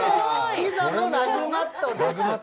ピザのラグマットです。